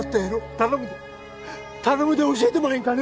頼むで頼むで教えてもらえんかね